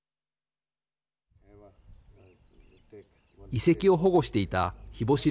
遺跡を保護していた日干し